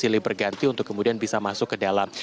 silih berganti untuk kemudian bisa masuk ke dalam